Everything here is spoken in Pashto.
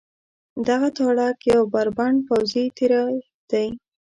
دغه تاړاک یو بربنډ پوځي تېری دی.